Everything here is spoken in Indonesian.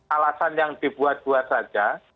alasan yang dibuat buat saja